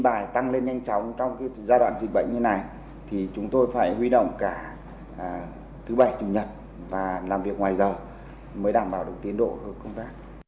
các tin bài tăng lên nhanh chóng trong giai đoạn dịch bệnh như này thì chúng tôi phải huy động cả thứ bảy chủ nhật và làm việc ngoài giờ mới đảm bảo được tiến độ hơn công tác